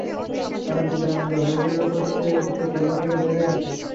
তারা বিজয়ের আনন্দে হৈ-হুল্লোড় করতে করতে কেল্লা থেকে বের হয়ে আসে।